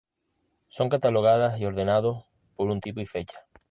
Son catalogadas y ordenados por tipo y fecha.